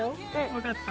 分かった？